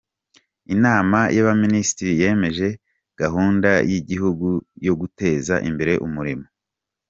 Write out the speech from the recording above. Inama y’Abaminisitiri yemeje Gahunda y’Igihugu yo Guteza imbere Umurimo.